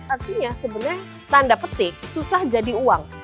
artinya sebenarnya tanda petik susah jadi uang